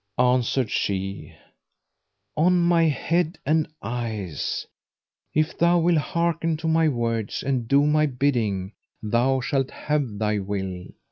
Answered she, "On my head and eyes! if thou wilt hearken to my words and do my bidding, thou shalt have thy will."